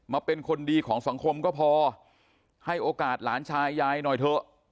เป็นคนดีของสังคมก็พอให้โอกาสหลานชายยายหน่อยเถอะ